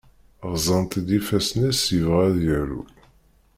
Ɣeẓẓan-t-id yifassen-is, yebɣa ad yaru.